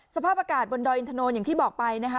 สภาพอากาศบนดอยอินทนนอย่างที่บอกไปนะคะ